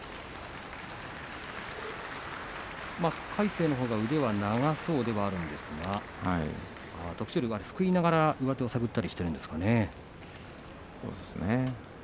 魁聖のほうが腕は長そうではあるんですが徳勝龍は、すくいながら上手を探ったりしているんですかね。